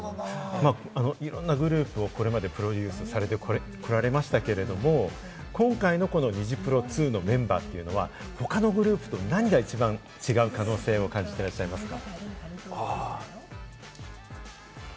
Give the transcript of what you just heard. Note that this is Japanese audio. いろんなグループをこれまでプロデュースされてこられましたけれども、今回のニジプロ２のメンバーというのは、他のグループと何が一番違う可能性を感じていらっしゃいますか？